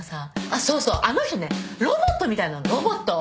あっそうそうあの人ねロボットみたいなのロボット。